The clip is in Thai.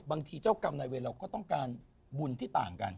เจ้ากรรมนายเวรเราก็ต้องการบุญที่ต่างกัน